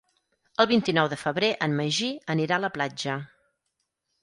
El vint-i-nou de febrer en Magí anirà a la platja.